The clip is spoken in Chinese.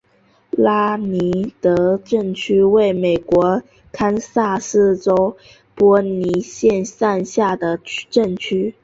拉尼德镇区为美国堪萨斯州波尼县辖下的镇区。